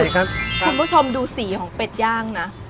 คุณผู้ชมดูสีของเป็ดย่างนะ